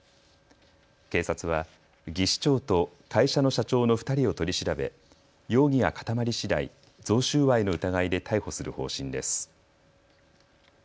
警察は技士長と会社の社長の２人を取り調べ容疑が固まりしだい贈収賄の疑いで逮捕する方針です。